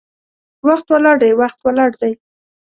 وخت ولاړ دی، وخت ولاړ دی